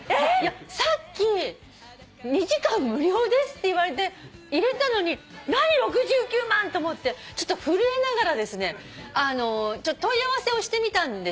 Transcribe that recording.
さっき「２時間無料です」って言われて入れたのに何６９万！？と思ってちょっと震えながらですね問い合わせをしてみたんですよ。